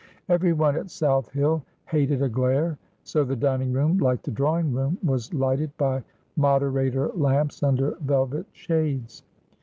Everyone at South Hill hated a glare, so the dining room, like the drawing room, was lighted by moderator lamps under velvet shades.